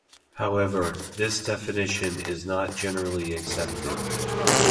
However, this definition is not generally accepted.